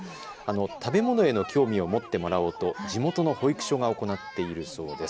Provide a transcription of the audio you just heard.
食べ物への興味を持ってもらおうと地元の保育所が行っているそうです。